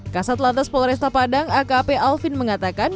kasat lantas polresta padang akp alvin mengatakan